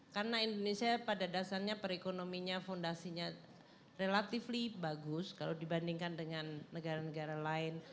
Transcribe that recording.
karena indonesia pada dasarnya perekonominya fondasinya relatively bagus kalau dibandingkan dengan negara negara lain